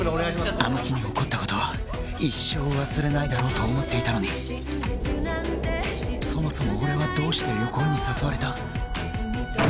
あの日に起こったことは一生忘れないだろうと思っていたのにそもそも俺はどうして旅行に誘われた？